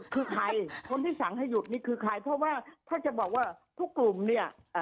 คือใครคนที่สั่งให้หยุดนี่คือใครเพราะว่าถ้าจะบอกว่าทุกกลุ่มเนี่ย